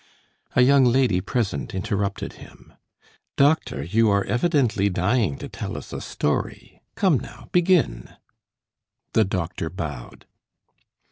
A young lady present interrupted him: "Doctor, you are evidently dying to tell us a story. Come now, begin!" The doctor bowed.